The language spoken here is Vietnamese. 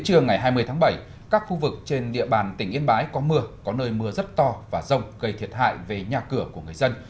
thưa quý vị đêm ngày một mươi chín đến trưa ngày hai mươi tháng bảy các khu vực trên địa bàn tỉnh yên bái có mưa có nơi mưa rất to và rộng gây thiệt hại về nhà cửa của người dân